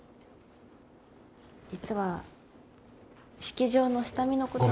実は式場の下見のこと。